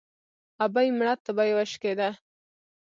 ـ ابۍ مړه تبه يې وشکېده.